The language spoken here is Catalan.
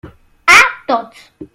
A tots.